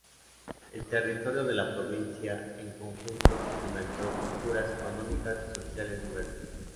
El territorio de la provincia, en su conjunto, experimentó estructuras económicas y sociales diversas.